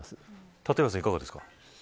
立岩さん、いかがですか。